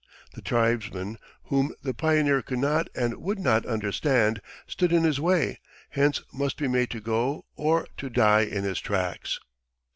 The tribesmen, whom the pioneer could not and would not understand, stood in his way, hence must be made to go or to die in his tracks.